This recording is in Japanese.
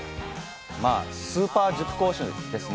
まあスーパー塾講師ですね。